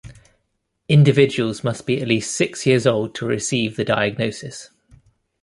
Individuals must be at least six years old to receive the diagnosis.